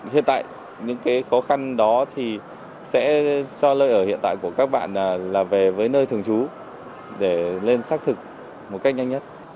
hiện tại những cái khó khăn đó thì sẽ cho lợi ở hiện tại của các bạn là về với nơi thường trú để lên xác thực một cách nhanh nhất